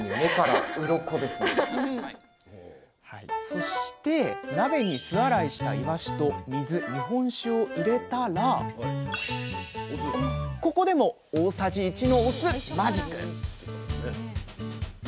そして鍋に酢洗いしたいわしと水日本酒を入れたらここでも大さじ１のお酢マジック！